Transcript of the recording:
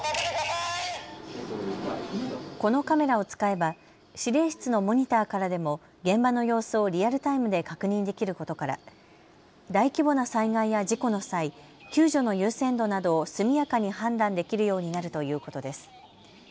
このカメラを使えば司令室のモニターからでも現場の様子をリアルタイムで確認できることから大規模な災害や事故の際救助の優先度などを速やかに判断できるようになるということです。